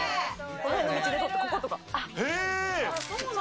この辺の道で撮った、こことか。